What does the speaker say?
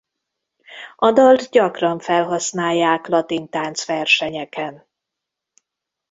A dalt gyakran felhasználják latintánc-versenyeken.